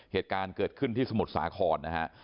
เหตุการณ์เกิดขึ้นที่สมุทรสาครนะฮะ